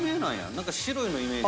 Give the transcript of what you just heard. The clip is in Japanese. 何か白いのイメージ。